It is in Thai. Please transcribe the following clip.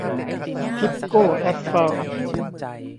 ทิปโก้แอสฟัลท์